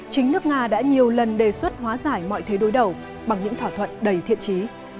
chính nước nga đã nhiều lần đề xuất hóa giải mọi thế đối đầu bằng những thỏa thuận đầy thiện trí